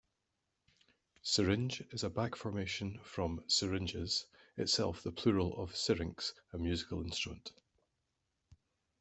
"Syringe" is a back-formation from "syringes", itself the plural of "syrinx", a musical instrument.